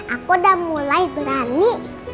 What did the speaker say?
aku udah mulai berani